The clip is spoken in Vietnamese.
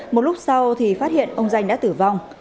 một lúc sau thì phát hiện ông danh đã tử vong